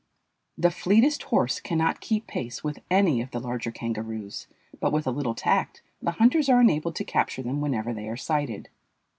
The fleetest horse cannot keep pace with any of the larger kangaroos, but with a little tact the hunters are enabled to capture them whenever they are sighted.